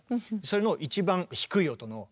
それの一番低い音のＧ線。